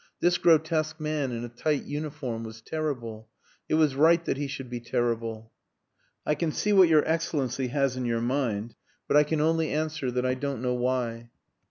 This grotesque man in a tight uniform was terrible. It was right that he should be terrible. "I can see what your Excellency has in your mind. But I can only answer that I don't know why."